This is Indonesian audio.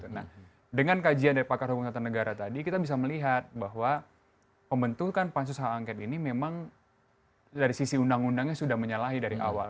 nah dengan kajian dari pakar hukum tata negara tadi kita bisa melihat bahwa pembentukan pansus hak angket ini memang dari sisi undang undangnya sudah menyalahi dari awal